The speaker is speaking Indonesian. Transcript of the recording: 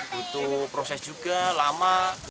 butuh proses juga lama